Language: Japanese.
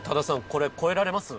これ超えられます？